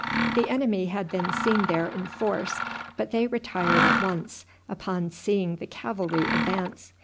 The enemy had been seen there in force, but they retired at once upon seeing the cavalry advance.